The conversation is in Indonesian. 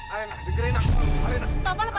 alena dengarkan aku